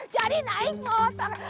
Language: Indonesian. jadi naik motor